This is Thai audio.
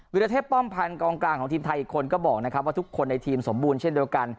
วินาทิตย์ป้อมพันธ์กลางกลางของทีมไทยอีกคนก็บอกว่าทุกคนในทีมสมบูรณ์เช่นเดียวกัน